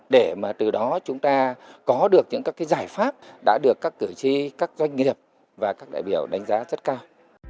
để mà từ đó chúng ta có được những các giải pháp đã được các cử tri các doanh nghiệp và các đại biểu đánh giá rất cao